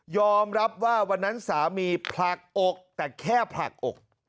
อมรับว่าวันนั้นสามีผลักอกแต่แค่ผลักอก